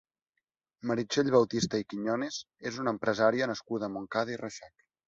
Meritxell Bautista i Quiñones és una empresària nascuda a Montcada i Reixac.